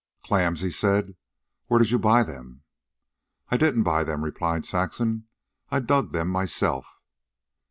"Clams," he said. "Where did you buy them?" "I didn't buy them," replied Saxon. "I dug them myself."